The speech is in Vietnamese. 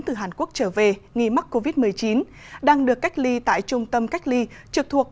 từ hàn quốc trở về nghi mắc covid một mươi chín đang được cách ly tại trung tâm cách ly trực thuộc